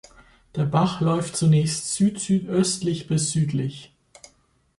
Der Bach läuft zunächst südsüdöstlich bis südlich.